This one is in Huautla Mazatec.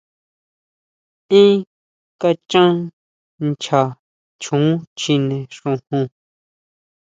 Énn kachan nchá choon chjine xojon.